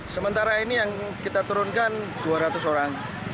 sementara ini yang kita turunkan dua ratus orang